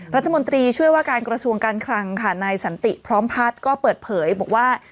รัฐมนตรีช่วยว่าการกระทรวงการคลังค่ะนายสันติพร้อมพัฒน์ก็เปิดเผยบอกว่า